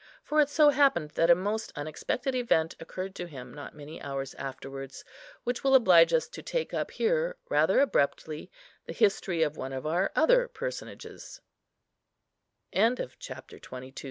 For it so happened, that a most unexpected event occurred to him not many hours afterwards, which will oblige us to take up here rather abruptly the history of one of our other personages. CHAPTER XXIII.